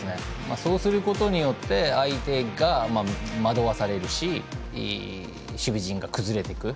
そうすることによって相手が惑わされるし守備陣が崩れていく。